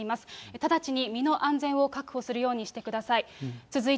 直ちに身の安全を確保するようにしてください。